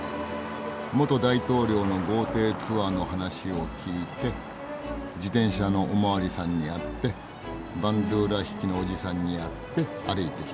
元大統領の豪邸ツアーの話を聞いて自転車のお巡りさんに会ってバンドゥーラ弾きのおじさんに会って歩いてきた。